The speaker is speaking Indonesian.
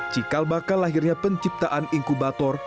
cikal bakal lahirnya penciptaan inkubator